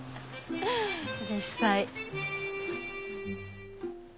実際。